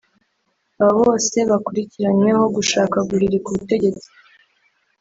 Aba bose bakurikiranyweho gushaka guhirika ubutegetsi